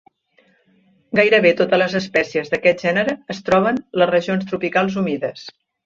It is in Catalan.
Gairebé totes les espècies d'aquest gènere es troben les regions tropicals humides.